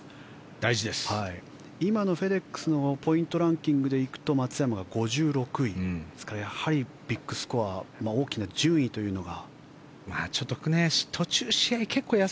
今のフェデックスのポイントランキングでいくと松山が５６位ですからやはりビッグスコア大きな順位というのが。